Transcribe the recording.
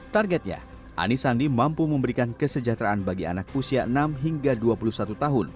targetnya anies sandi mampu memberikan kesejahteraan bagi anak usia enam hingga dua puluh satu tahun